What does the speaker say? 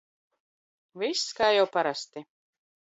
Viss k? jau parasti.